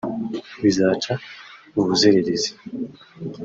bizaca ubuzererezi